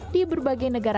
di berbagai negara